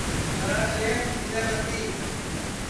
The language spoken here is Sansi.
چھورا پریم کُدؔے متی